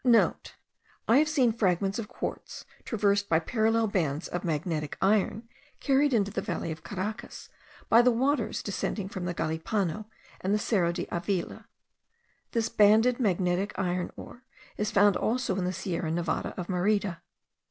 *(* I have seen fragments of quartz traversed by parallel bands of magnetic iron, carried into the valley of Caracas by the waters descending from the Galipano and the Cerro de Avila. This banded magnetic iron ore is found also in the Sierra Nevada of Merida.